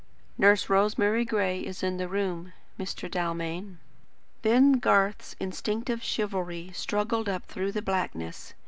"Nurse Rosemary Gray is in the room, Mr. Dalmain." Then Garth's instinctive chivalry struggled up through the blackness.